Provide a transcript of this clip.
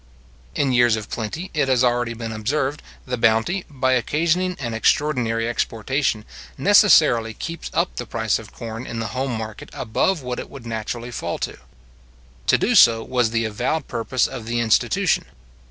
In years of plenty, it has already been observed, the bounty, by occasioning an extraordinary exportation, necessarily keeps up the price of corn in the home market above what it would naturally fall to. To do so was the avowed purpose of the institution.